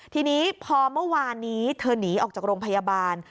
ทีนี้พอเมื่อวานนี้เธอหนีออกจากโรงพยาบาล